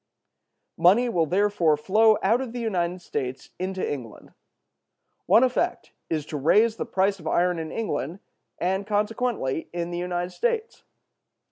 Money will therefore flow out of the United States into England. One effect is to raise the price of iron in England, and consequently in the United States.